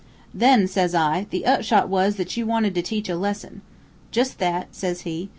"'Then,' says I, 'the upshot was that you wanted to teach a lesson.' "'Jus' that,' says he.